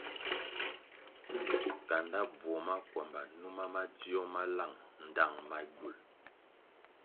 Kanda bvuo makwamba numa madzio ma lang ndtang magywul.